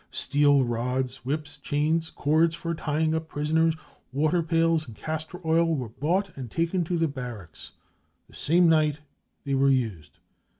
Steel rods, whips, chains, cords for tying up prisoners, water pails and castor oil were bought and take% to the barracks. That same night they were used.